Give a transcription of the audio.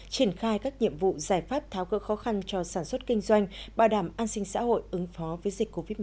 triển khai các nhiệm vụ giải pháp tháo cơ khó khăn cho sản xuất kinh doanh bảo đảm an sinh xã hội ứng phó với dịch covid một mươi chín